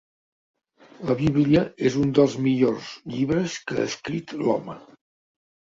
La Bíblia és un dels millors llibres que ha escrit l'home.